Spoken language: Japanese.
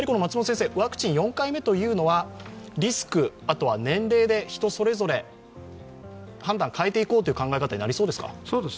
ワクチン４回目というのはリスク、年齢で人それぞれ判断を変えていこうという考え方になりそうですか？